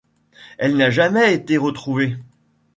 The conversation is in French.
Elle n'a jamais été retrouvée.